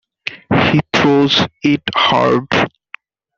He throws it hard.